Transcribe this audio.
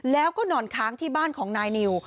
แล้วก็นอนค้างที่บ้านของนายนิว